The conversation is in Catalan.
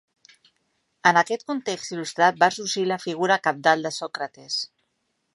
En aquest context il·lustrat va sorgir la figura cabdal de Sòcrates.